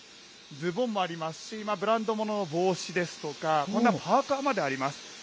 ズボンもありますし、ブランドものの帽子ですとか、こんなパーカーまであります。